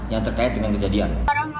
yang terkait dengan kejadian